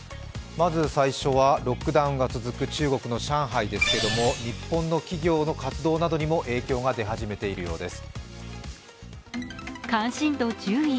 まず最初はロックダウンが続く中国の上海ですけれども、日本の企業の活動などにも影響が出始めているようです。